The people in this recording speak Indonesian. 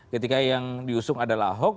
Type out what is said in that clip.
ketika yang diusung adalah ahok